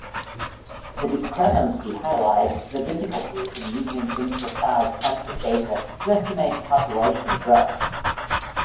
The discrepancy highlights the difficulty in using imprecise census data to estimate population growth.